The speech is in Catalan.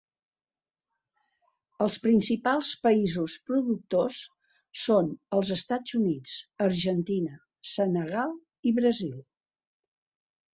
Els principals països productors són els Estats Units, Argentina, Senegal i Brasil.